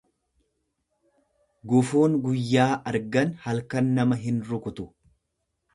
Gufuun guyyaa argan halkan nama hin rukutu.